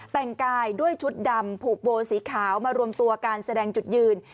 แต่งกายด้วยชุดดำผูกโบสีขาวมารวมตัวการแสดงจุดยืน